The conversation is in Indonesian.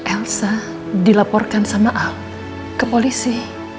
elsa dilaporkan sama al ke polisi